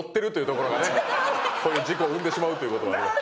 こういう事故を生んでしまうということがあります。